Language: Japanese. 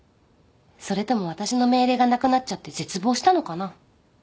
それとも私の命令がなくなっちゃって絶望したのかな？